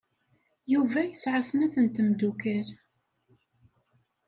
Yuba yesɛa snat n tmeddukal.